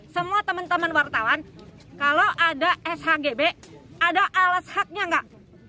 semua teman teman wartawan kalau ada shgb ada alas haknya nggak